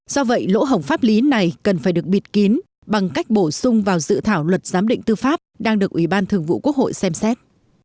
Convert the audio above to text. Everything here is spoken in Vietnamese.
do vậy lỗ hổng pháp lý này cần phải được bịt kín bằng cách bổ sung vào dự thảo luật giám định tư pháp đang được ủy ban thường vụ quốc hội xem xét